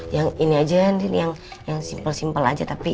yang ini aja yang simple simpel aja tapi